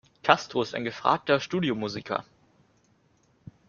Castro ist ein gefragter Studio-Musiker.